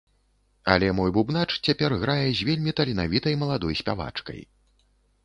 Але мой бубнач цяпер грае з вельмі таленавітай маладой спявачкай.